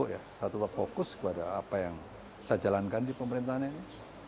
saya tetap fokus kepada apa yang saya jalankan di pemerintahan ini